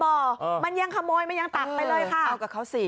เออมันยังขโมยมันยังตักไปเลยค่ะเอากับเขาสิ